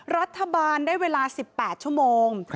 รัฐบาลได้เวลา๑๘ชั่วโมง